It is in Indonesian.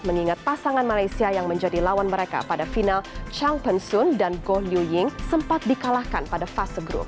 mengingat pasangan malaysia yang menjadi lawan mereka pada final chang pen sun dan goh liu ying sempat dikalahkan pada fase grup